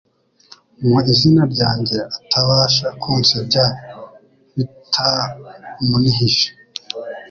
mu izina ryanjye, atabasha kunsebya bitamunihije. »